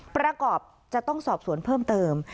ประกอบจะต้องสอบสวนเพิ่มเติม